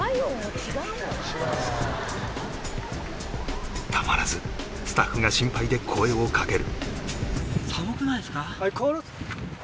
「違う」たまらずスタッフが心配で声をかける